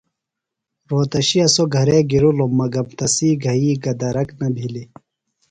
رھوتشِیہ سوۡ گھرے گِرِلوۡ مگم تسی گھئی گہ درک نہ بِھلیۡ۔